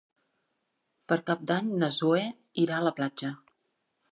Per Cap d'Any na Zoè irà a la platja.